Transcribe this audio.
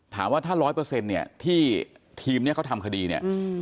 ถามว่าถ้าร้อยเปอร์เซ็นต์เนี่ยที่ทีมนี้เขาทำคดีเนี่ย